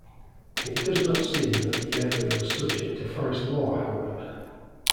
It does not seem that the area was subject to forest law however.